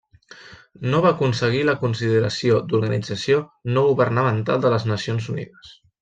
No va aconseguir la consideració d'organització no governamental de les Nacions Unides.